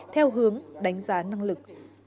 theo hướng đánh giá năng lực